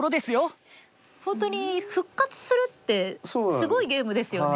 本当に復活するってすごいゲームですよね。